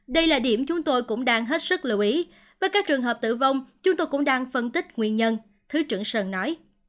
đây là điểm chúng tôi cũng đang hết sức lưu ý với các trường hợp tử vong chúng tôi cũng đang phân tích nguyên nhân thứ trưởng sơn nói